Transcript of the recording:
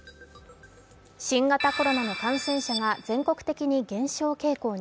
新型コロナの感染者が全国的に減少傾向に。